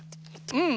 うん。